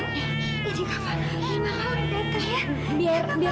ini mama biar tante ya